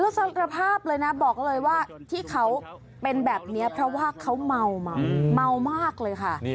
สารภาพเลยนะบอกเลยว่าที่เขาเป็นแบบนี้เพราะว่าเขาเมามาเมามากเลยค่ะ